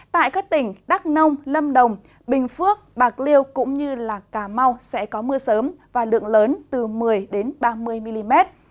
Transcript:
tại các tỉnh đắk nông lâm đồng bình phước bạc liêu cũng như cà mau sẽ có mưa sớm và lượng lớn từ một mươi ba mươi mm